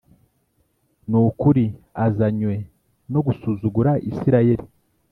Ni ukuri azanywe no gusuzugura Isirayeli.